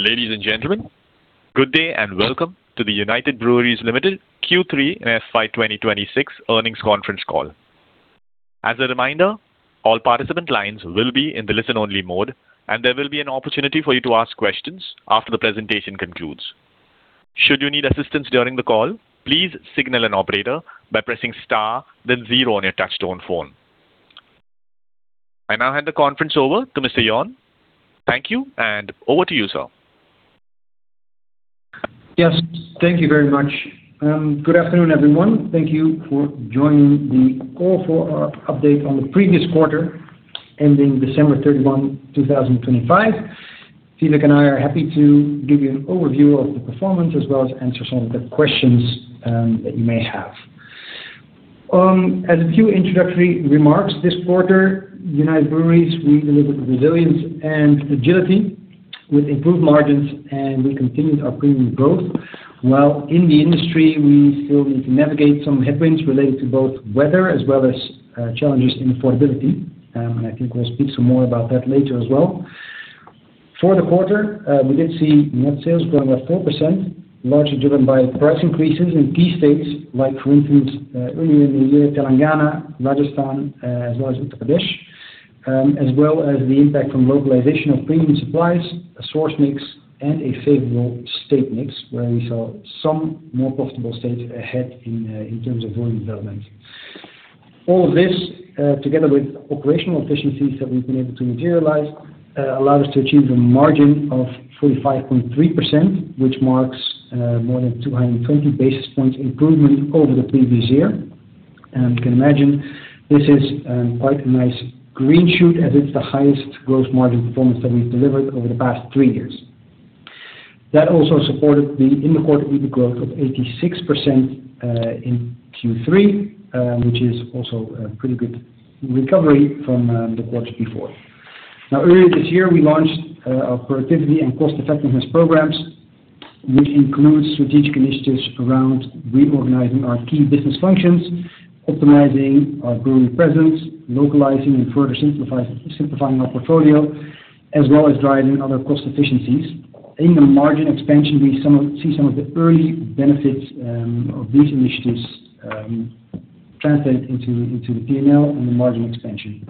Ladies and gentlemen, good day, and welcome to the United Breweries Limited Q3 and FY 2026 Earnings Conference Call. As a reminder, all participant lines will be in the listen-only mode, and there will be an opportunity for you to ask questions after the presentation concludes. Should you need assistance during the call, please signal an operator by pressing star then zero on your touchtone phone. I now hand the conference over to Mr. Jorn Kersten. Thank you, and over to you, sir. Yes, thank you very much. Good afternoon, everyone. Thank you for joining the call for our update on the previous quarter, Q4, 2025. Vivek and I are happy to give you an overview of the performance, as well as answer some of the questions that you may have. As a few introductory remarks this quarter, United Breweries, we delivered resilience and agility with improved margins, and we continued our premium growth, while in the industry we still need to navigate some headwinds related to both weather as well as challenges in affordability. And I think we'll speak some more about that later as well. For the quarter, we did see net sales growing at 4%, largely driven by price increases in key states like, for instance, early in the year, Telangana, Rajasthan, as well as Uttar Pradesh, as well as the impact from localization of premium supplies, a source mix, and a favorable state mix, where we saw some more profitable states ahead in, in terms of volume development. All this, together with operational efficiencies that we've been able to materialize, allow us to achieve a margin of 45.3%, which marks, more than 220 basis points improvement over the previous year. And you can imagine, this is, quite a nice green shoot, as it's the highest gross margin performance that we've delivered over the past three years. That also supported the interquarter EBIT growth of 86%, in Q3, which is also a pretty good recovery from the quarter before. Now, earlier this year, we launched our productivity and cost effectiveness programs, which includes strategic initiatives around reorganizing our key business functions, optimizing our brewery presence, localizing and further simplify, simplifying our portfolio, as well as driving other cost efficiencies. In the margin expansion, we see some of the early benefits of these initiatives translate into the P&L and the margin expansion.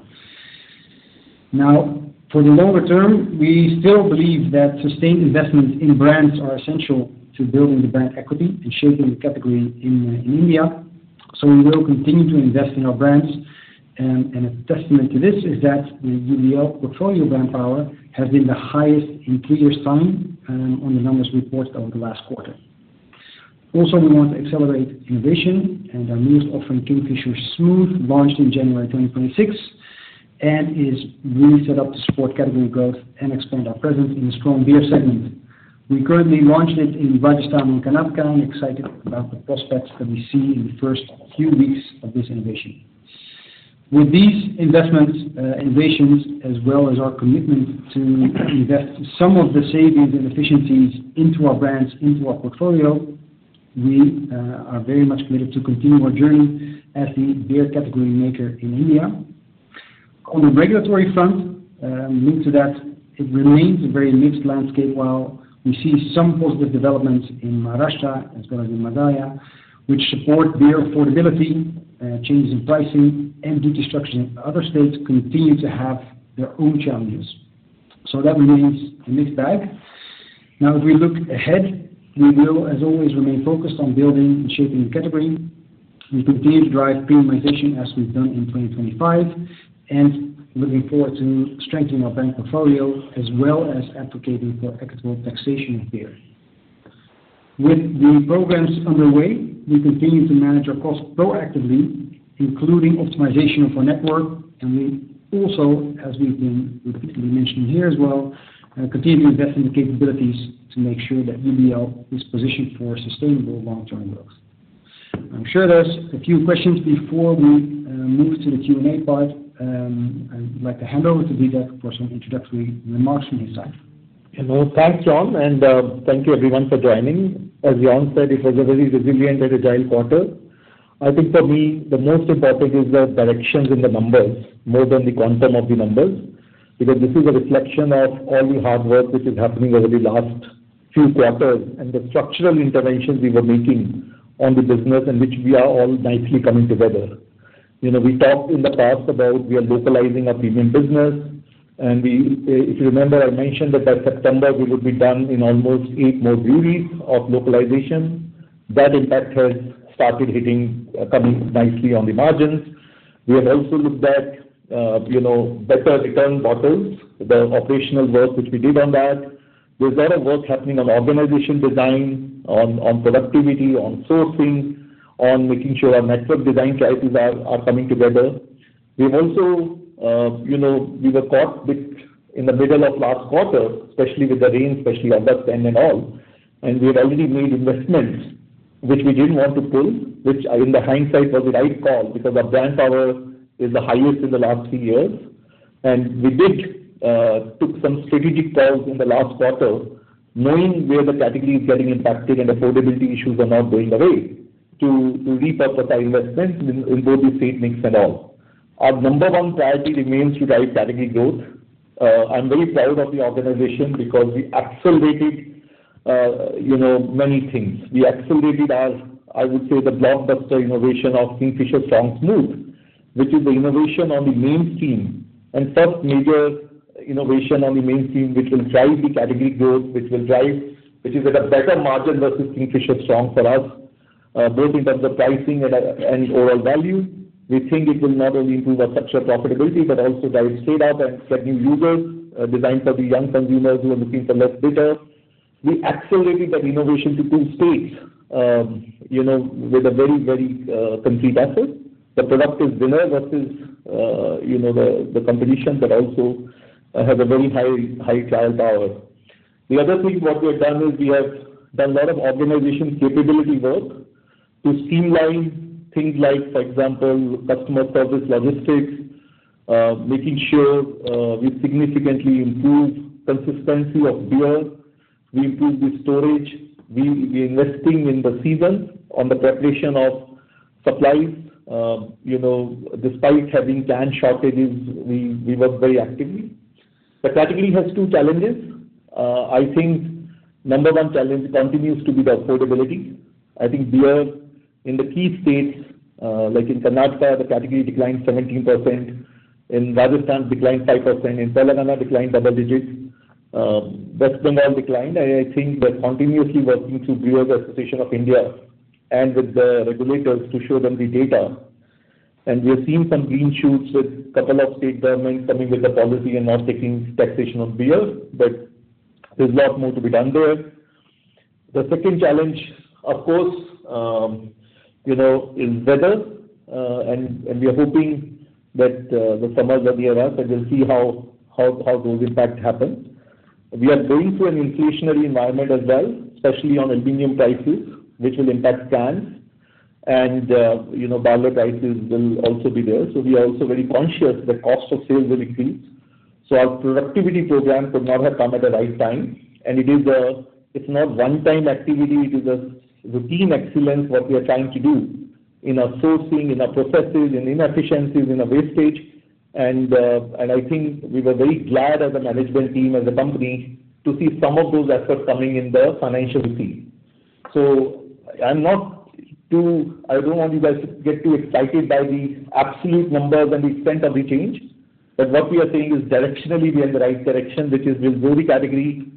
Now, for the longer term, we still believe that sustained investments in brands are essential to building the brand equity and shaping the category in India. So we will continue to invest in our brands, and a testament to this is that the UBL portfolio brand power has been the highest in three years' time, on the numbers reported over the last quarter. Also, we want to accelerate innovation, and our newest offering, Kingfisher Smooth, launched in January 2026, and is really set up to support category growth and expand our presence in the strong beer segment. We currently launched it in Rajasthan and Karnataka, and excited about the prospects that we see in the first few weeks of this innovation. With these investments, innovations, as well as our commitment to invest some of the savings and efficiencies into our brands, into our portfolio, we are very much committed to continuing our journey as the beer category maker in India. On the regulatory front, linked to that, it remains a very mixed landscape while we see some positive developments in Maharashtra as well as in Madhya, which support beer affordability, changes in pricing and duty structure. Other states continue to have their own challenges. So that remains a mixed bag. Now, if we look ahead, we will, as always, remain focused on building and shaping the category. We continue to drive premiumization, as we've done in 2025, and looking forward to strengthening our brand portfolio, as well as advocating for equitable taxation of beer. With the programs underway, we continue to manage our costs proactively, including optimization of our network, and we also, as we've been repeatedly mentioning here as well, continue to invest in the capabilities to make sure that UBL is positioned for sustainable long-term growth. I'm sure there's a few questions before we move to the Q&A part. I'd like to hand over to Vivek for some introductory remarks from his side. Hello. Thanks, Jorn, and thank you everyone for joining. As Jorn said, it was a very resilient and agile quarter. I think for me, the most important is the directions in the numbers more than the quantum of the numbers, because this is a reflection of all the hard work which is happening over the last few quarters and the structural interventions we were making on the business in which we are all nicely coming together. You know, we talked in the past about we are localizing our premium business, and we, if you remember, I mentioned that by September, we would be done in almost eight more breweries of localization. That impact has started hitting, coming nicely on the margins. We have also looked at, you know, better return bottles, the operational work which we did on that. There's a lot of work happening on organization design, on, on productivity, on sourcing, on making sure our network design priorities are, are coming together. We've also, you know, we were caught bit in the middle of last quarter, especially with the rain, especially at that time and all. And we had already made investments which we didn't want to pull, which in the hindsight was the right call, because our brand power is the highest in the last three years. And we did, took some strategic calls in the last quarter, knowing where the category is getting impacted and affordability issues are not going away, to, to repurpose our investments in, in both the state mix and all. Our number one priority remains to drive category growth. I'm very proud of the organization because we accelerated, you know, many things. We accelerated our, I would say, the blockbuster innovation of Kingfisher Strong Smooth, which is the innovation on the mainstream and first major innovation on the mainstream, which will drive the category growth, which will drive, which is at a better margin versus Kingfisher Strong for us, both in terms of pricing and, and overall value. We think it will not only improve our structure profitability, but also drive straight up and get new users, designed for the young consumers who are looking for less bitter. We accelerated that innovation to two states, you know, with a very, very complete asset. The product is winner versus, you know, the competition, but also has a very high, high trial power. The other thing, what we have done is we have done a lot of organization capability work to streamline things like, for example, customer service, logistics, making sure, we significantly improve consistency of beer. We improve the storage. We, we're investing in the season on the preparation of supplies. You know, despite having land shortages, we, we work very actively. The category has two challenges. I think number one challenge continues to be the affordability. I think beer in the key states, like in Karnataka, the category declined 17%, in Rajasthan declined 5%, in Telangana declined double digits, West Bengal declined. I, I think we're continuously working to Brewers Association of India and with the regulators to show them the data. And we are seeing some green shoots with couple of state governments coming with a policy and not taking taxation on beer, but there's a lot more to be done there. The second challenge, of course, you know, is weather, and we are hoping that the summers are near us, and we'll see how those impact happen. We are going through an inflationary environment as well, especially on aluminum prices, which will impact cans and, you know, barley prices will also be there. So we are also very conscious that cost of sales will increase. So our productivity program could not have come at the right time, and it is a... It's not one-time activity, it is a routine excellence, what we are trying to do in our sourcing, in our processes, in inefficiencies, in our wastage. And I think we were very glad as a management team, as a company, to see some of those efforts coming in the financials. So I'm not too... I don't want you guys to get too excited by the absolute numbers and the extent of the change, but what we are saying is directionally we are in the right direction, which is we'll grow the category,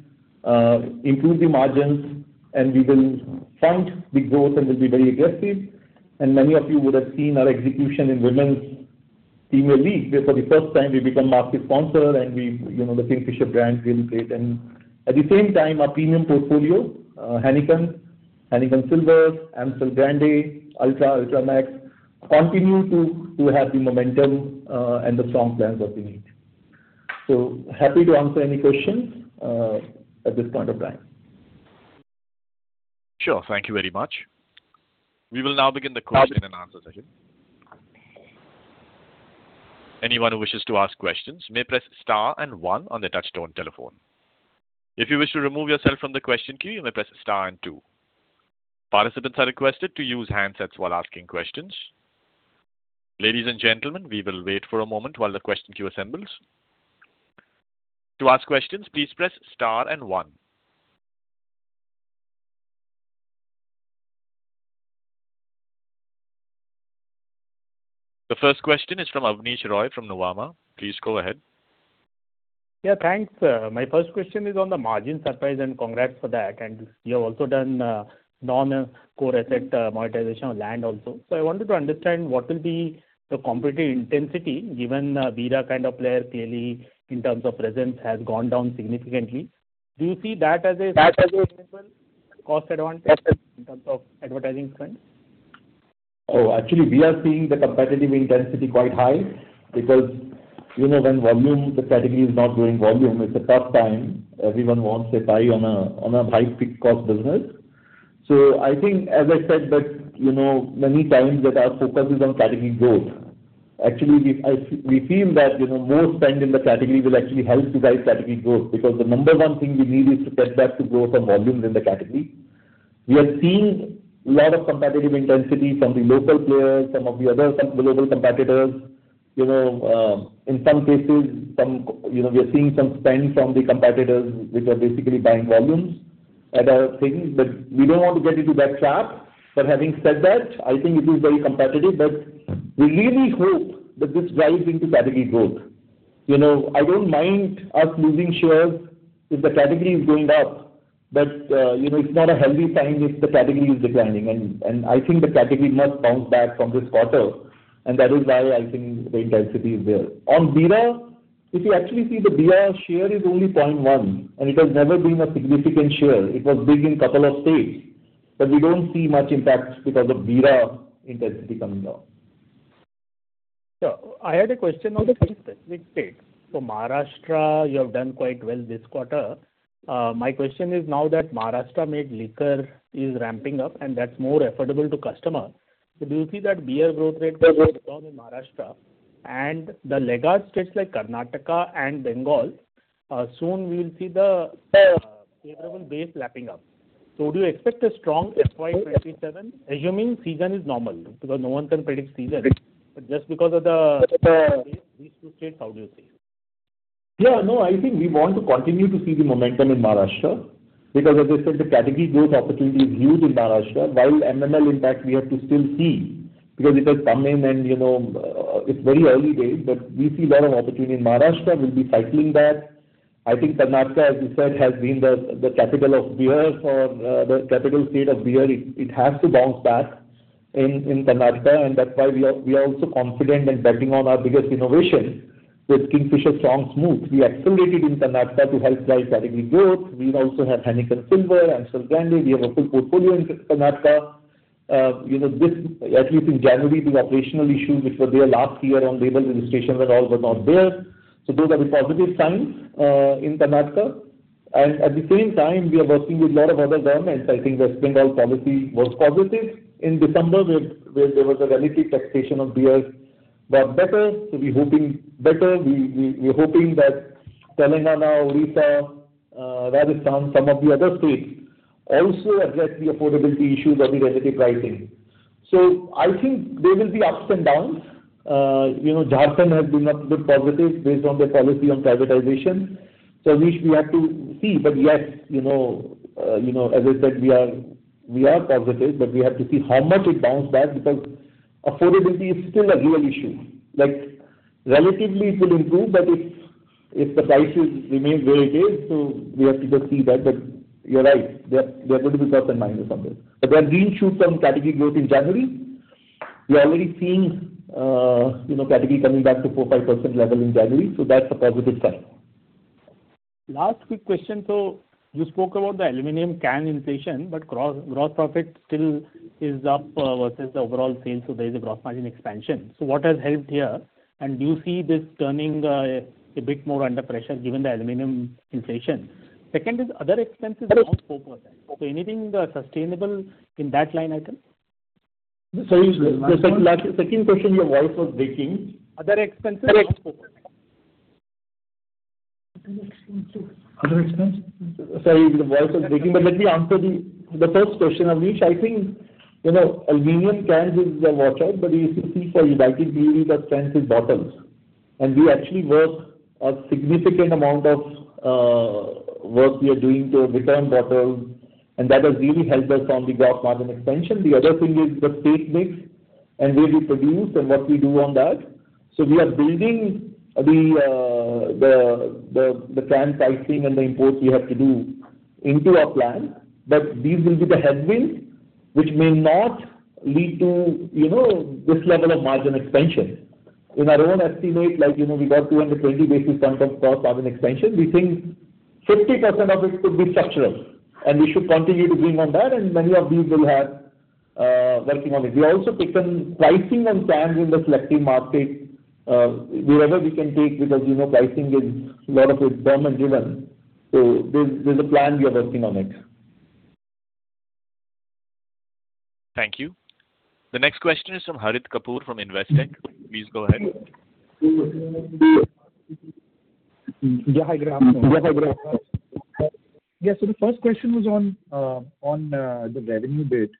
improve the margins, and we will fund the growth, and we'll be very aggressive. And many of you would have seen our execution in Women's Premier League, where for the first time we become market sponsor and we, you know, the Kingfisher brand really great. And at the same time, our premium portfolio, Heineken, Heineken Silver, Amstel brand, Ultra, Ultra Max, continue to have the momentum, and the strong brands that we need. Happy to answer any questions at this point of time. Sure. Thank you very much. We will now begin the question and answer session. Anyone who wishes to ask questions may press star and one on their touchtone telephone. If you wish to remove yourself from the question queue, you may press star and two. Participants are requested to use handsets while asking questions. Ladies and gentlemen, we will wait for a moment while the question queue assembles. To ask questions, please press star and one. The first question is from Abneesh Roy from Nuvama. Please go ahead. Yeah, thanks. My first question is on the margin surprise, and congrats for that. And you have also done a non-core asset monetization of land also. So I wanted to understand what will be the competitive intensity, given Bira kind of player clearly in terms of presence has gone down significantly. Do you see that as a, that as a cost advantage in terms of advertising spend? Oh, actually, we are seeing the competitive intensity quite high, because, you know, when volume, the category is not growing volume, it's a tough time. Everyone wants a pie on a high fixed cost business. So I think, as I said, that, you know, many times that our focus is on category growth. Actually, we feel that, you know, more spend in the category will actually help to drive category growth, because the number one thing we need is to get back to growth on volumes in the category. We are seeing a lot of competitive intensity from the local players, some of the other global competitors. You know, in some cases, you know, we are seeing some spend from the competitors, which are basically buying volumes and other things, but we don't want to get into that trap. But having said that, I think it is very competitive, but we really hope that this drives into category growth. You know, I don't mind us losing shares if the category is going up, but, you know, it's not a healthy sign if the category is declining. And I think the category must bounce back from this quarter, and that is why I think the intensity is there. On Bira, if you actually see, the Bira share is only 0.1, and it has never been a significant share. It was big in couple of states, but we don't see much impact because of Bira intensity coming down. Yeah. I had a question on the specific states. So Maharashtra, you have done quite well this quarter. My question is now that Maharashtra-made liquor is ramping up and that's more affordable to customer, so do you see that beer growth rate will go down in Maharashtra? And the laggard states like Karnataka and Bengal, soon we will see the favorable base lapping up. So do you expect a strong FY 27, assuming season is normal? Because no one can predict season, but just because of the, these two states, how do you see? Yeah, no, I think we want to continue to see the momentum in Maharashtra, because as I said, the category growth opportunity is huge in Maharashtra. While MML, in fact, we have to still see, because it has come in and, you know, it's very early days, but we see a lot of opportunity. In Maharashtra, we'll be cycling back. I think Karnataka, as you said, has been the, the capital of beer or, the capital state of beer. It, it has to bounce back in, in Karnataka, and that's why we are, we are also confident and betting on our biggest innovation with Kingfisher Strong Smooth. We accelerated in Karnataka to help drive category growth. We also have Heineken Silver, Amstel Grande. We have a full portfolio in Karnataka. You know, this, at least in January, the operational issues which were there last year on label registration and all were not there. So those are the positive signs in Karnataka. And at the same time, we are working with a lot of other governments. I think the West Bengal policy was positive. In December, where there was a relative taxation of beer were better, so we hoping better. We're hoping that Telangana, Odisha, Rajasthan, some of the other states also address the affordability issues and the relative pricing. So I think there will be ups and downs. You know, Jharkhand has been a good positive based on their policy on privatization. So we should have to see, but yes, you know, you know, as I said, we are, we are positive, but we have to see how much it bounce back, because affordability is still a real issue. Like, relatively it will improve, but if, if the price is remains where it is, so we have to just see that. But you're right, there, there are going to be plus and minus on this. But there are green shoots on category growth in January. We are already seeing, you know, category coming back to 4-5% level in January, so that's a positive sign. Last quick question. So you spoke about the aluminum can inflation, but gross profit still is up versus the overall sales, so there is a gross margin expansion. So what has helped here? And do you see this turning a bit more under pressure, given the aluminum inflation? Second is, other expenses are up 4%. So anything sustainable in that line item? Sorry, the second-last, second question, your voice was breaking. Other expenses are up 4%. Other expenses. Other expense? Sorry, the voice was breaking, but let me answer the first question. Abneesh, I think, you know, aluminum cans is a watch-out, but if you see for United Breweries, that stands with bottles. And we actually work a significant amount of work we are doing to return bottles, and that has really helped us on the gross margin expansion. The other thing is the state mix, and where we produce and what we do on that. So we are building the can cycling and the imports we have to do into our plan, but these will be the headwinds, which may not lead to, you know, this level of margin expansion. In our own estimate, like, you know, we got 220 basis points of gross margin expansion, we think 50% of this could be structural, and we should continue to lean on that, and many of these will have working on it. We also taken pricing and plans in the selective market, wherever we can take, because, you know, pricing is a lot of it's firm and given. So there's a plan, we are working on it. Thank you. The next question is from Harit Kapoor, from Investec. Please go ahead. Yeah, hi, Graham. Yeah, hi, Graham. Yeah, so the first question was on the revenue bit.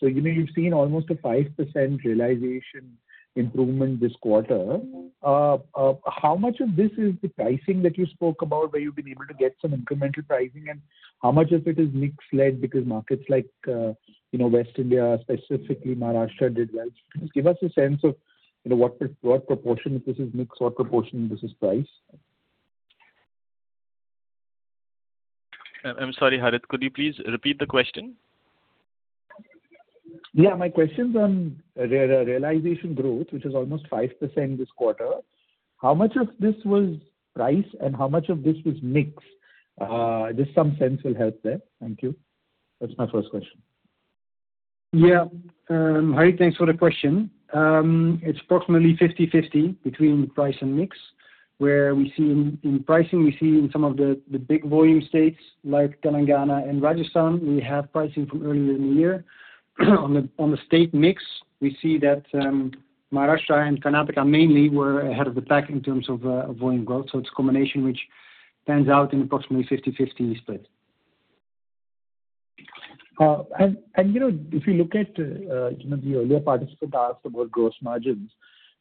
So, you know, you've seen almost a 5% realization improvement this quarter. How much of this is the pricing that you spoke about, where you've been able to get some incremental pricing? And how much of it is mix-led, because markets like, you know, West India, specifically Maharashtra, did well. Just give us a sense of, you know, what proportion of this is mix, what proportion of this is price? I'm sorry, Harit, could you please repeat the question? Yeah. My question's on realization growth, which is almost 5% this quarter. How much of this was price, and how much of this was mix? Just some sense will help there. Thank you. That's my first question. Yeah, Harit, thanks for the question. It's approximately 50/50 between price and mix, where we see in pricing, we see in some of the big volume states, like Telangana and Rajasthan, we have pricing from earlier in the year. On the state mix, we see that Maharashtra and Karnataka mainly were ahead of the pack in terms of volume growth. So it's a combination which pans out in approximately 50/50 split. You know, if you look at, you know, the earlier participant asked about gross margins.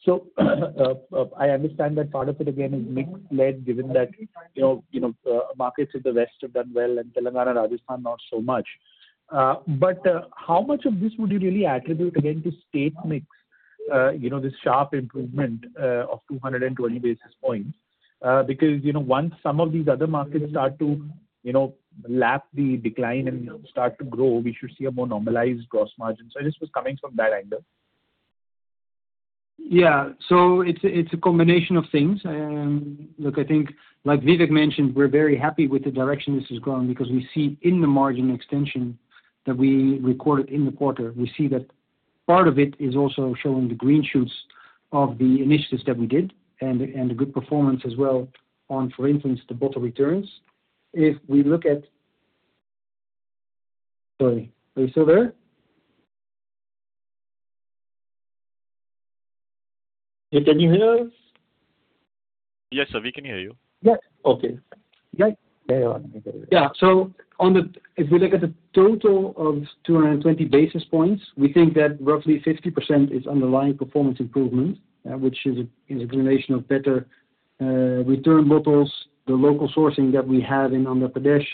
So, I understand that part of it again is mix-led, given that, you know, you know, markets in the west have done well, and Telangana, Rajasthan, not so much. But, how much of this would you really attribute again to state mix? You know, this sharp improvement of 220 basis points. Because, you know, once some of these other markets start to, you know, lap the decline and start to grow, we should see a more normalized gross margin. So I just was coming from that angle. Yeah. So it's a, it's a combination of things. Look, I think, like Vivek mentioned, we're very happy with the direction this has gone, because we see in the margin extension that we recorded in the quarter, we see that part of it is also showing the green shoots of the initiatives that we did and the good performance as well on, for instance, the bottle returns. If we look at... Sorry, are you still there?... Hey, can you hear us? Yes, sir, we can hear you. Yeah. Okay. Great. Yeah, so on the, if we look at the total of 220 basis points, we think that roughly 50% is underlying performance improvement, which is a combination of better return bottles, the local sourcing that we have in Andhra Pradesh,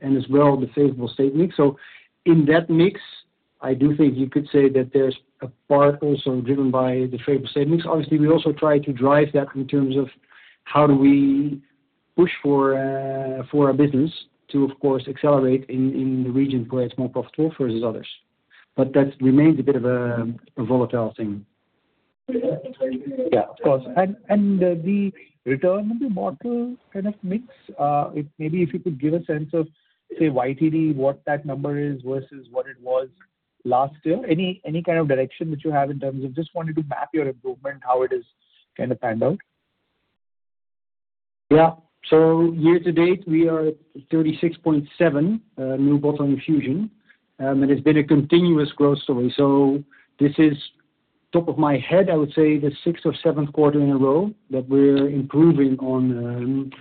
and as well, the favorable state mix. So in that mix, I do think you could say that there's a part also driven by the favorable savings. Obviously, we also try to drive that in terms of how do we push for our business to, of course, accelerate in the regions where it's more profitable versus others. But that remains a bit of a volatile thing. Yeah, of course. And the return on the bottle kind of mix, if maybe you could give a sense of, say, YTD, what that number is versus what it was last year? Any kind of direction that you have in terms of... Just wanted to map your improvement, how it is kind of panned out. Yeah. So year to date, we are at 36.7 new bottle infusion, and it's been a continuous growth story. So this is, top of my head, I would say, the sixth or seventh quarter in a row that we're improving on,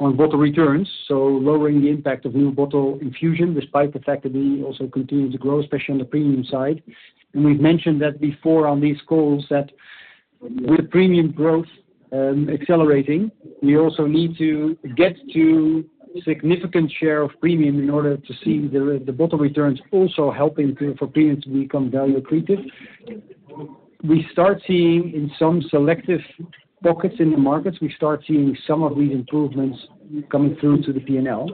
on bottle returns. So lowering the impact of new bottle infusion, despite the fact that we also continue to grow, especially on the premium side. And we've mentioned that before on these calls, that with premium growth, accelerating, we also need to get to significant share of premium in order to see the, the bottle returns also helping for premium to become value accretive. We start seeing in some selective pockets in the markets, we start seeing some of these improvements coming through to the P&L.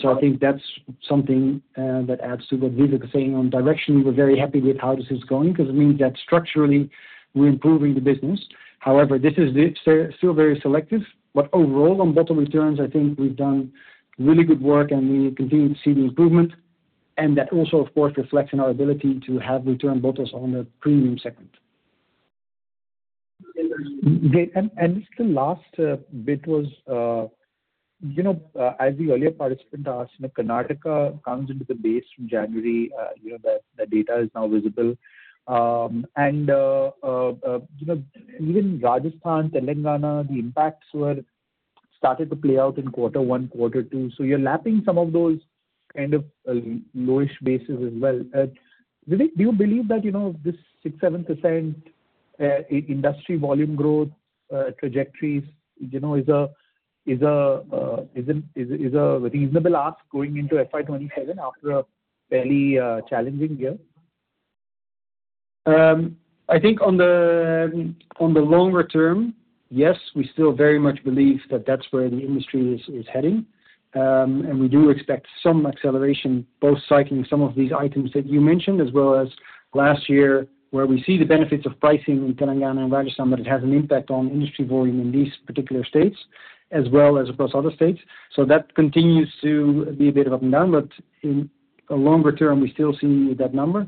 So I think that's something, that adds to what Vivek is saying on direction. We're very happy with how this is going, 'cause it means that structurally we're improving the business. However, this is still very selective. But overall, on bottle returns, I think we've done really good work and we continue to see the improvement, and that also, of course, reflects in our ability to have return bottles on the premium segment. Great. And just the last bit was, you know, as the earlier participant asked, you know, Karnataka comes into the base from January, you know, the data is now visible. You know, even Rajasthan, Telangana, the impacts were started to play out in Q1, Q2. So you're lapping some of those kind of lowish bases as well. Vivek, do you believe that, you know, this 6%-7% industry volume growth trajectories, you know, is a reasonable ask going into FY 2027 after a fairly challenging year? I think on the longer term, yes, we still very much believe that that's where the industry is heading. And we do expect some acceleration, both cycling some of these items that you mentioned, as well as last year, where we see the benefits of pricing in Telangana and Rajasthan, but it has an impact on industry volume in these particular states as well as across other states. So that continues to be a bit of up and down, but in a longer term, we still see that number.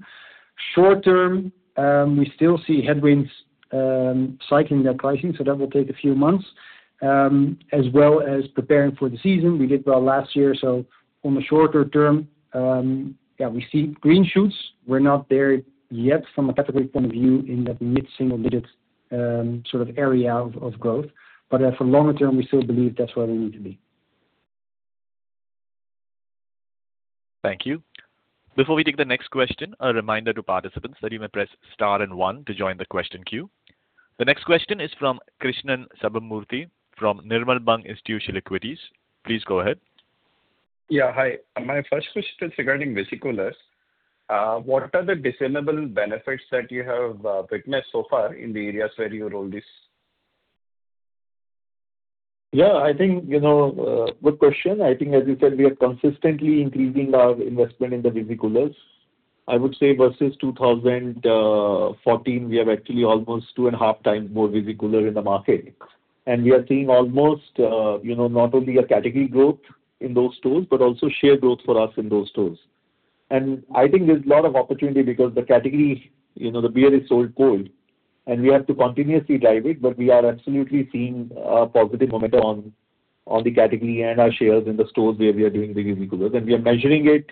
Short term, we still see headwinds, cycling that pricing, so that will take a few months, as well as preparing for the season. We did well last year, so on the shorter term, yeah, we see green shoots. We're not there yet from a category point of view in that mid-single digits, sort of area of growth. But, for longer term, we still believe that's where we need to be. Thank you. Before we take the next question, a reminder to participants that you may press Star and One to join the question queue. The next question is from Krishnan Sambamoorthy from Nirmal Bang Institutional Equities. Please go ahead. Yeah, hi. My first question is regarding visi-coolers. What are the discernible benefits that you have witnessed so far in the areas where you rolled this? Yeah, I think, you know, good question. I think, as you said, we are consistently increasing our investment in the visi-coolers. I would say versus 2014, we have actually almost 2.5 times more visi-coolers in the market. And we are seeing almost, you know, not only a category growth in those stores, but also share growth for us in those stores. And I think there's a lot of opportunity because the category, you know, the beer is sold cold, and we have to continuously drive it, but we are absolutely seeing a positive momentum on, on the category and our shares in the stores where we are doing the visi-coolers, and we are measuring it.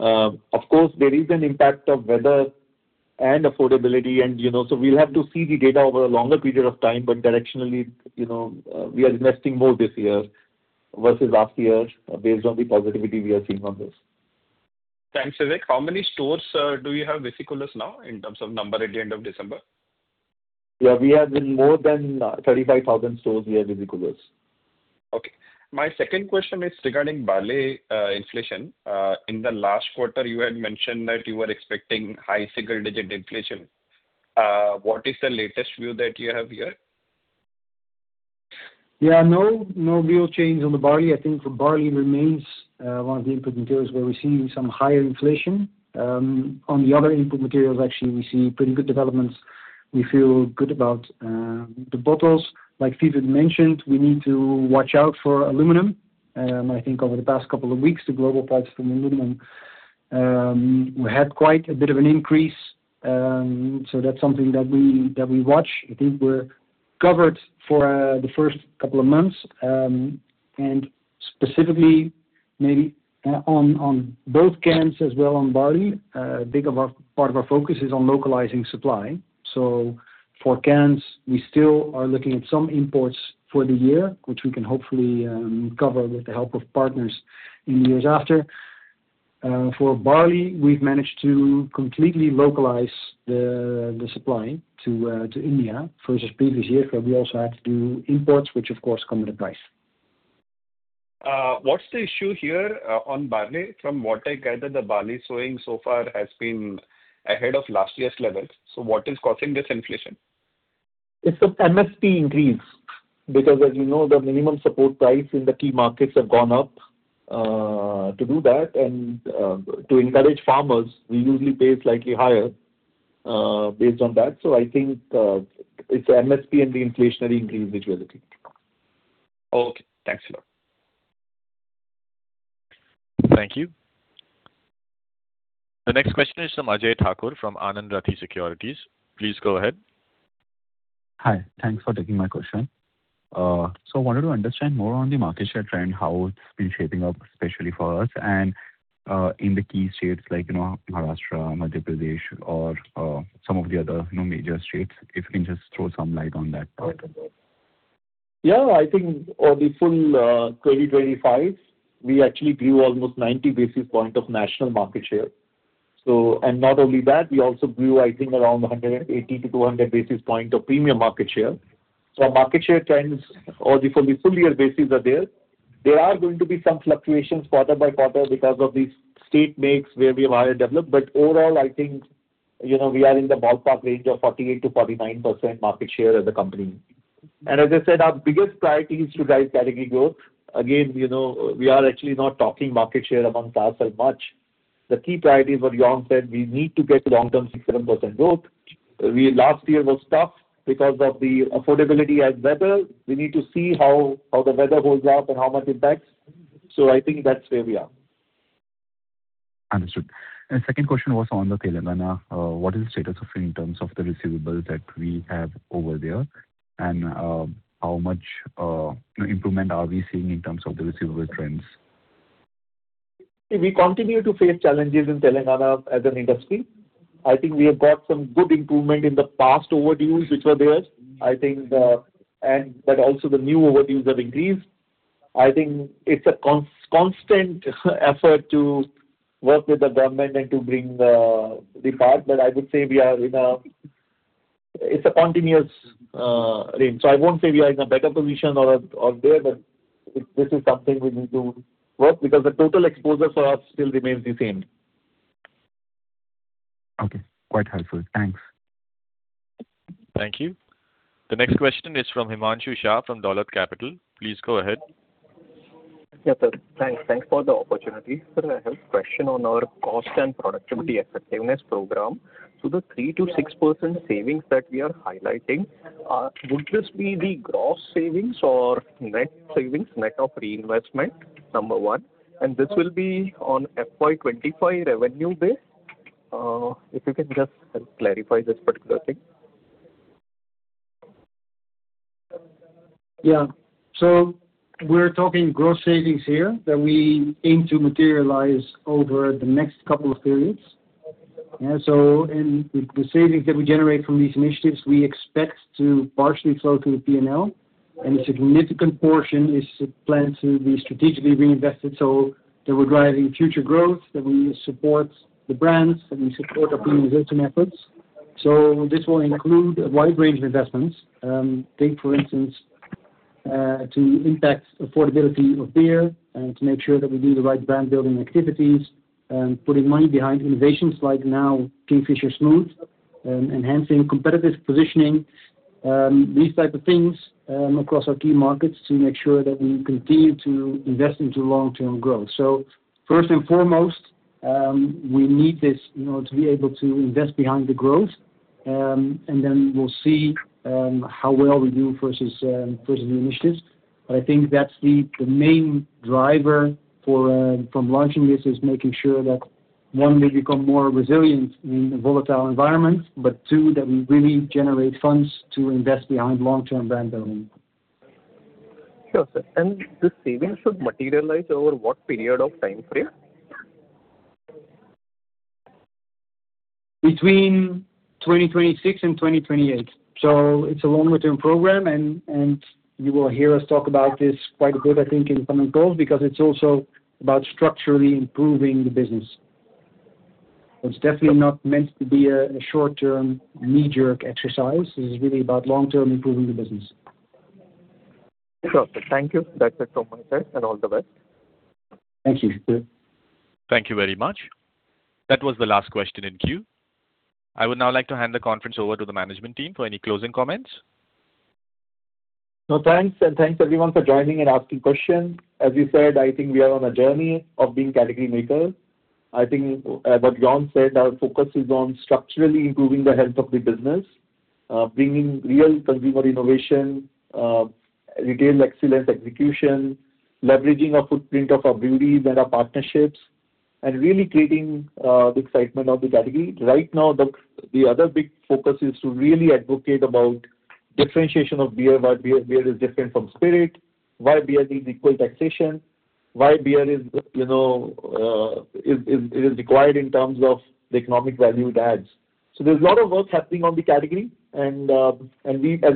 Of course, there is an impact of weather and affordability and, you know, so we'll have to see the data over a longer period of time, but directionally, you know, we are investing more this year versus last year based on the positivity we are seeing on this. Thanks, Vivek. How many stores do you have visi-coolers now in terms of number at the end of December? Yeah, we have in more than 35,000 stores, we have visi-coolers. Okay. My second question is regarding barley, inflation. In the last quarter, you had mentioned that you were expecting high single-digit inflation. What is the latest view that you have here? Yeah, no, no real change on the barley. I think the barley remains one of the input materials where we're seeing some higher inflation. On the other input materials, actually, we see pretty good developments. We feel good about the bottles. Like Vivek mentioned, we need to watch out for aluminum. I think over the past couple of weeks, the global price for aluminum we had quite a bit of an increase, so that's something that we watch. I think we're covered for the first couple of months, and specifically, maybe on both cans as well on barley, a big part of our focus is on localizing supply. So for cans, we still are looking at some imports for the year, which we can hopefully cover with the help of partners in the years after. For barley, we've managed to completely localize the supply to India versus previous years, where we also had to do imports, which of course come at a price. What's the issue here on barley? From what I gathered, the barley sowing so far has been ahead of last year's levels. So what is causing this inflation? It's the MSP increase, because as you know, the minimum support price in the key markets have gone up. To do that and to encourage farmers, we usually pay slightly higher, based on that. So I think, it's MSP and the inflationary increase which we are looking. Okay. Thanks a lot. Thank you. The next question is from Ajay Thakur, from Anand Rathi Securities. Please go ahead. Hi. Thanks for taking my question. So I wanted to understand more on the market share trend, how it's been shaping up, especially for us, and in the key states like, you know, Maharashtra, Madhya Pradesh, or some of the other, you know, major states. If you can just throw some light on that part. Yeah, I think on the full 2025, we actually grew almost 90 basis points of national market share. So... And not only that, we also grew, I think, around 180-200 basis points of premium market share. So our market share trends or the full year basis are there. There are going to be some fluctuations quarter by quarter because of the state mix, where we are developed. But overall, I think, you know, we are in the ballpark range of 48%-49% market share as a company. And as I said, our biggest priority is to drive category growth. Again, you know, we are actually not talking market share amongst us as much. The key priority, what Jorn said, we need to get long-term 6%-7% growth. Last year was tough because of the affordability and weather. We need to see how the weather holds up and how much impacts. So I think that's where we are. Understood. And second question was on the Telangana. What is the status of in terms of the receivables that we have over there? And, how much improvement are we seeing in terms of the receivable trends? We continue to face challenges in Telangana as an industry. I think we have got some good improvement in the past overdues, which were there. I think, but also the new overdues have increased. I think it's a constant effort to work with the government and to bring the part, but I would say we are in a... It's a continuous range. So I won't say we are in a better position or there, but this is something we need to work, because the total exposure for us still remains the same. Okay, quite helpful. Thanks. Thank you. The next question is from Himanshu Shah, from Dolat Capital. Please go ahead. Yeah, sir. Thanks. Thanks for the opportunity. Sir, I have a question on our cost and productivity effectiveness program. So the 3%-6% savings that we are highlighting, would this be the gross savings or net savings, net of reinvestment? Number one. And this will be on FY 25 revenue base. If you can just help clarify this particular thing. Yeah. So we're talking gross savings here, that we aim to materialize over the next couple of periods. Yeah, so and the savings that we generate from these initiatives, we expect to partially flow through the P&L, and a significant portion is planned to be strategically reinvested, so that we're driving future growth, that we support the brands, that we support our organization efforts. So this will include a wide range of investments. Take, for instance, to impact affordability of beer and to make sure that we do the right brand-building activities, and putting money behind innovations like now, Kingfisher Smooth, enhancing competitive positioning, these type of things, across our key markets, to make sure that we continue to invest into long-term growth. So first and foremost, we need this, you know, to be able to invest behind the growth, and then we'll see how well we do versus versus the initiatives. But I think that's the, the main driver for, from launching this, is making sure that, one, we become more resilient in a volatile environment, but two, that we really generate funds to invest behind long-term brand building. Sure, sir. The savings should materialize over what period of time frame? Between 2026 and 2028. So it's a long-term program, and you will hear us talk about this quite a bit, I think, in coming calls, because it's also about structurally improving the business. It's definitely not meant to be a short-term, knee-jerk exercise. It's really about long-term improving the business. Sure. Thank you. That's it from my side, and all the best. Thank you. Thank you very much. That was the last question in queue. I would now like to hand the conference over to the management team for any closing comments. So thanks, and thanks, everyone, for joining and asking questions. As you said, I think we are on a journey of being category maker. I think, what Jorn said, our focus is on structurally improving the health of the business, bringing real consumer innovation, retail excellence execution, leveraging our footprint of our breweries and our partnerships, and really creating the excitement of the category. Right now, the other big focus is to really advocate about differentiation of beer, why beer, beer is different from spirit, why beer needs equal taxation, why beer is, you know, is required in terms of the economic value it adds. So there's a lot of work happening on the category, and as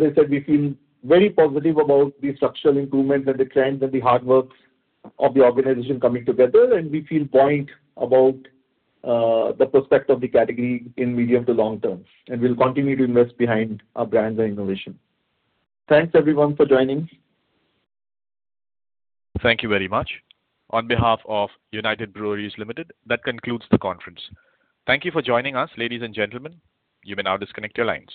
I said, we feel very positive about the structural improvement and the trends and the hard work of the organization coming together, and we feel buoyant about the prospect of the category in medium to long term. We'll continue to invest behind our brands and innovation. Thanks, everyone, for joining. Thank you very much. On behalf of United Breweries Limited, that concludes the conference. Thank you for joining us, ladies and gentlemen. You may now disconnect your lines.